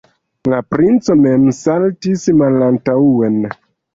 La princo mem saltis malantaŭen.